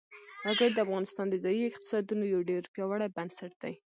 وګړي د افغانستان د ځایي اقتصادونو یو ډېر پیاوړی بنسټ دی.